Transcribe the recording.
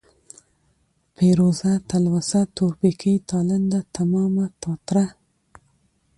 پېروزه ، تلوسه ، تورپيکۍ ، تالنده ، تمامه ، تاتره ،